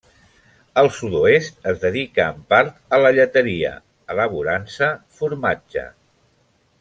El sud-oest es dedica en part a la lleteria, elaborant-se formatge.